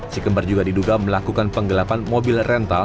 si kembar juga diduga melakukan penggelapan mobil rental